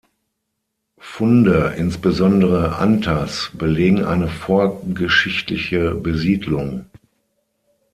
Funde, insbesondere Antas, belegen eine vorgeschichtliche Besiedlung.